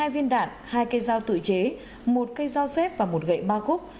hai mươi hai viên đạn hai cây dao tự chế một cây dao xếp và một gậy ba khúc